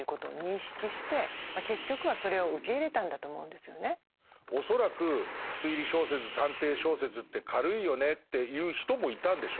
でドイルも恐らく推理小説探偵小説って軽いよねって言う人もいたんでしょう。